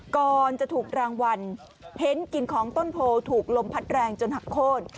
ก่อนจะถูกรางวัลเพ้นกินของต้นโพถูกลมพัดแรงจนหักโค้น